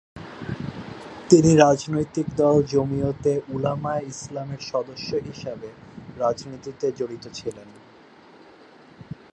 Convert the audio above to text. তিনি রাজনৈতিক দল জমিয়তে উলামায়ে ইসলামের সদস্য হিসাবে রাজনীতিতে জড়িত ছিলেন।